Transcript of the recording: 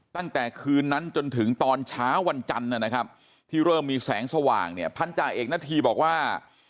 ตั้งแต่คืนนั้นจนถึงตอนเช้าวันจันทร์นะครับที่เริ่มมีแสงสว่างเนี่ยพันธาเอกนาธีบอกว่า